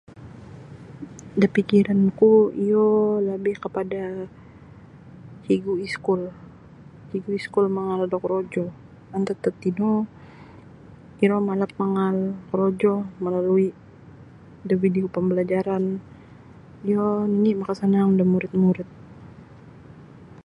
Da pikiran ku iyo labi kapada cigu iskul cigu iskul mangaal da korojo antad tatino iro malap mangaal korojo malalui da video pambalajaran iyo nini makasanang da murid-murid.